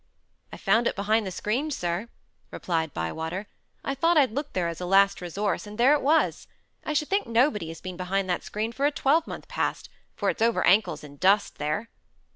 "I found it behind the screen, sir," replied Bywater. "I thought I'd look there, as a last resource, and there it was. I should think nobody has been behind that screen for a twelvemonth past, for it's over ankles in dust there."